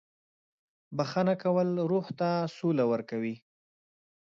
• بښنه کول روح ته سوله ورکوي.